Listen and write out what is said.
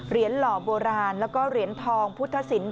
หล่อโบราณแล้วก็เหรียญทองพุทธศิลป